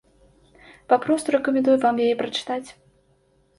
Папросту рэкамендую вам яе прачытаць.